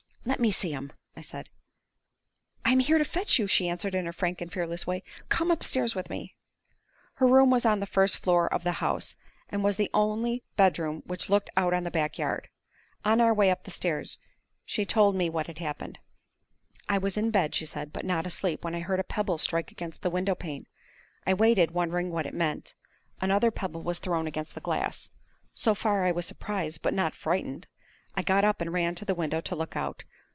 "Let me see him!" I said. "I am here to fetch you," she answered, in her frank and fearless way. "Come upstairs with me." Her room was on the first floor of the house, and was the only bedroom which looked out on the back yard. On our way up the stairs she told me what had happened. "I was in bed," she said, "but not asleep, when I heard a pebble strike against the window pane. I waited, wondering what it meant. Another pebble was thrown against the glass. So far, I was surprised, but not frightened. I got up, and ran to the window to look out.